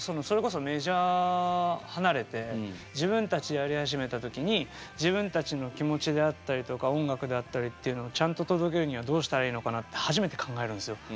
それこそメジャー離れて自分たちでやり始めた時に自分たちの気持ちであったりとか音楽であったりっていうのをちゃんと届けるにはどうしたらいいのかなって初めて考えるんですよ